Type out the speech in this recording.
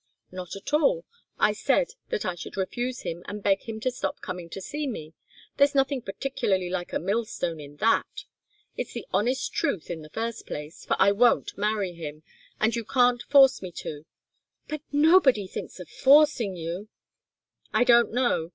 "Not at all. I said that I should refuse him and beg him to stop coming to see me. There's nothing particularly like a mill stone in that. It's the honest truth in the first place for I won't marry him, and you can't force me to " "But nobody thinks of forcing you " "I don't know.